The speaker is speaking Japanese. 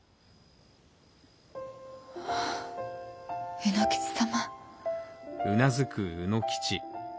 卯之吉様。